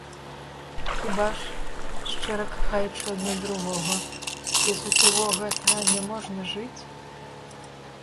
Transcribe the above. Хіба ж, шчыра кахаючы адно другога, без усяго гэтага няможна жыць?